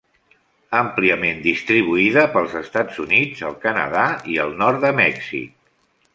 Àmpliament distribuïda pels Estats Units, el Canadà i el nord de Mèxic.